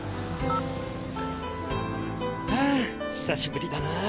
はあ久しぶりだな。